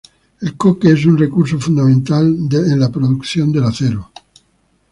El coque es un recurso fundamental en la producción de acero.